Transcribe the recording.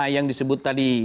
yang disebut tadi